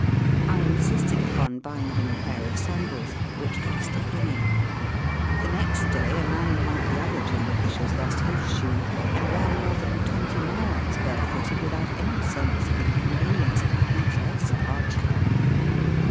I insisted upon buying him a pair of sandals, which cost a penny. The next day a man in one of the other jinrikishas lost his shoe, and ran more than twenty miles barefooted without any sense of inconvenience, much less of hardship.